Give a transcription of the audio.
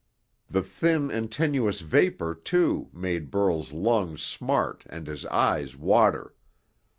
The thin and tenuous vapor, too, made Burl's lungs smart and his eyes water.